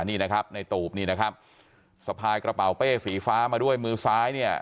นี่นะครับในตูบนี่นะครับสะพายกระเป๋าเป้สีฟ้ามาด้วยมือซ้ายเนี่ย